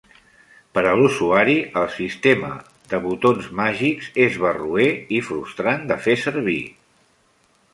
Per a l'usuari, el sistema de botons màgics és barroer i frustrant de fer servir.